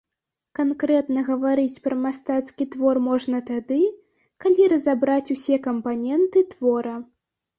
Канкрэтна гаварыць пра мастацкі твор можна тады, калі разабраць усе кампаненты твора.